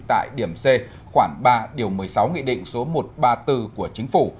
tại điểm c khoảng ba điều một mươi sáu nghị định số một trăm ba mươi bốn của chính phủ